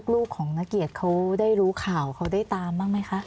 ลูกของนักเกียรติเขาได้รู้ข่าวเขาได้ตามบ้างไหมคะ